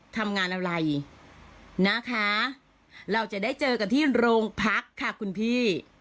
ทำงานอะไรนะคะเราจะได้เจอกันที่โรงพักค่ะคุณพี่